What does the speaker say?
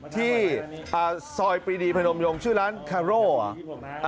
ที่ซอยปรีดีพนมยงชื่อร้านคาโร่เหรอ